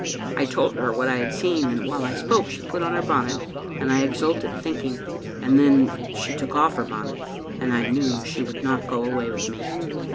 " I told her what I had seen, and while I spoke she put on her bonnet, and I exulted, thinking — and then she took off her bonnet, and I knew she would not go away with me.